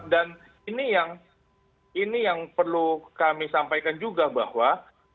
dan ini yang perlu kami sampaikan juga bahwa